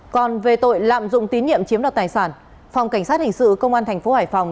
còn về tội lạm dụng tín nhiệm chiếm đọc tài sản phòng cảnh sát hình sự công an tp hải phòng